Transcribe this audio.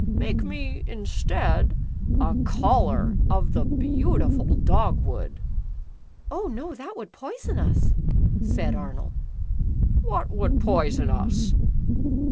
Make me, instead, a collar of the beautiful dog wood." "Oh no, that would poison us," said Arnold. "What would poison us